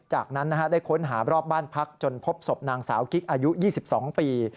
จากนั้นได้ค้นหารอบบ้านพักจนพบศพนางสาวกิ๊กอายุ๒๒ปี